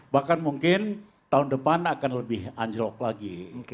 bahkan mungkin tahun depan akan lebih anjlok lagi